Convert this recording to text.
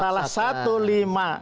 salah satu lima